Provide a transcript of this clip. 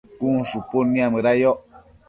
cun shupud niamëda yoc